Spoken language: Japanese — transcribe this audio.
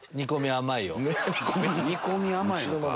煮込み甘いのか。